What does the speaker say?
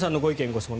・ご質問